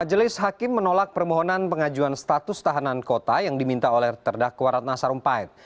majelis hakim menolak permohonan pengajuan status tahanan kota yang diminta oleh terdakwa ratna sarumpait